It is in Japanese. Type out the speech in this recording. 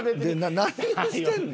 何をしてんの？